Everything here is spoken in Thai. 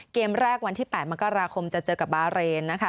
เกมแรกวันที่๘มกราคมจะเจอกับบาเรนนะคะ